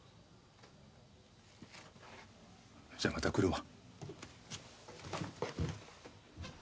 じゃあまた来るわ